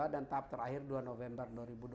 dan tahap terakhir dua november dua ribu dua puluh dua